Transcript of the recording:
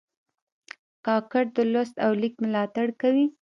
کاکړ د لوست او لیک ملاتړ کوي.